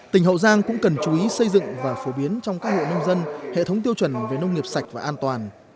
tỉnh hậu giang cũng cần chú ý xây dựng và phổ biến trong các hộ nông dân hệ thống tiêu chuẩn về nông nghiệp sạch và an toàn